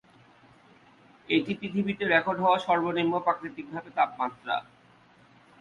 এটি পৃথিবীতে রেকর্ড হওয়া সর্বনিম্ন প্রাকৃতিকভাবে তাপমাত্রা।